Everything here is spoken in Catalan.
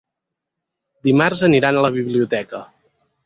Dimarts aniran a la biblioteca.